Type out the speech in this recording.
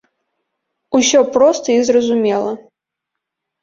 Усё проста і зразумела!